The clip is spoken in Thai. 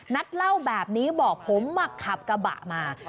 นัทเล่าแบบนี้บอกผมมาขับกระบะมา